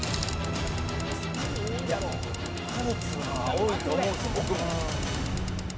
多いと思うんです僕も。